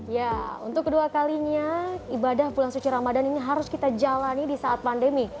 ya untuk kedua kalinya ibadah bulan suci ramadan ini harus kita jalani di saat pandemi